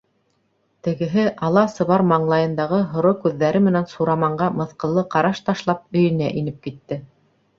Тегеһе, ала-сыбар маңлайындағы һоро күҙҙәре менән Сураманға мыҫҡыллы ҡараш ташлап, өйөнә инеп китте.